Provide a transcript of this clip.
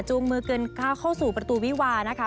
จูงมือกันเข้าเข้าสู่ประตูวิวานะคะ